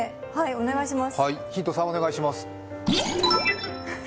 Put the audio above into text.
３お願いします。